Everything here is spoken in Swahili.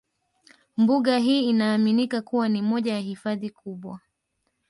Mbuga hii inaaminika kuwa ni moja ya hifadhi kubwa